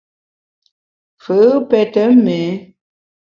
Fù’ pète méé.